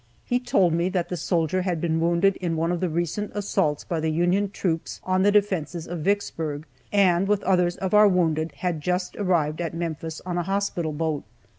He told me that the soldier had been wounded in one of the recent assaults by the Union troops on the defenses of Vicksburg, and, with others of our wounded, had just arrived at Memphis on a hospital boat.